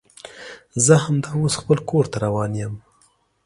زه همدا اوس خپل کور ته روان یم